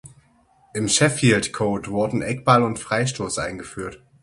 Im "Sheffield Code" wurden Eckball und Freistoß eingeführt.